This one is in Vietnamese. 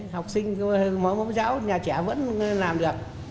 học sinh mẫu giáo nhà trẻ vẫn làm được